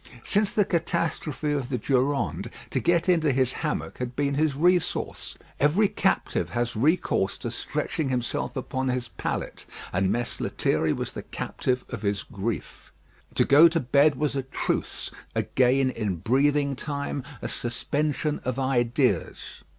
Since the catastrophe of the Durande, to get into his hammock had been his resource. Every captive has recourse to stretching himself upon his pallet, and Mess Lethierry was the captive of his grief. To go to bed was a truce, a gain in breathing time, a suspension of ideas.